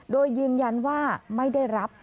โดยยืนยันว่าไม่ได้รับ